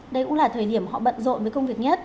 đây cũng là thời điểm họ bận rộn với công việc nhất